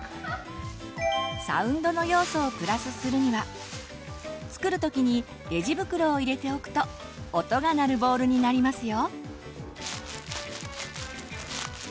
サウンドの要素をプラスするには作る時にレジ袋を入れておくと音が鳴るボールになりますよ。